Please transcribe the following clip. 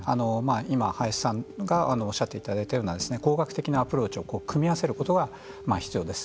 今、林さんがおっしゃっていただいたような工学的なアプローチを組み合わせることが必要です。